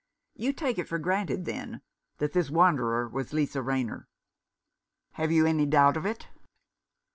" You take it for granted, then, that this wanderer was Lisa Rayner." " Have you any doubt of it